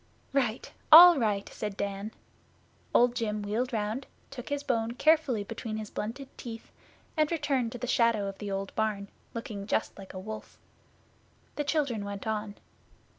'Right! All right!' said Dan. Old Jim wheeled round, took his bone carefully between his blunted teeth, and returned to the shadow of the old barn, looking just like a wolf. The children went on.